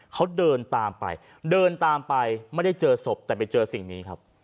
เขาเดินตามไปเดินตามไปไม่ได้เจอศพแต่ไปเจอสิ่งนี้ครับ